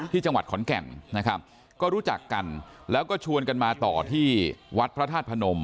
ที่จังหวัดขอนแก่นนะครับก็รู้จักกันแล้วก็ชวนกันมาต่อที่วัดพระธาตุพนม